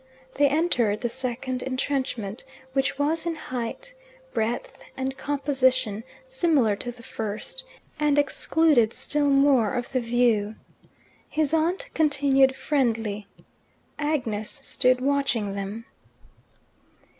They entered the second entrenchment, which was in height, breadth, and composition, similar to the first, and excluded still more of the view. His aunt continued friendly. Agnes stood watching them.